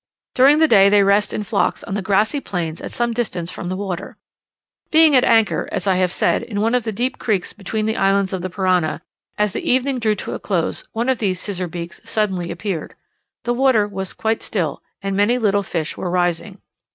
During the day they rest in flocks on the grassy plains at some distance from the water. Being at anchor, as I have said, in one of the deep creeks between the islands of the Parana, as the evening drew to a close, one of these scissor beaks suddenly appeared. The water was quite still, and many little fish were rising.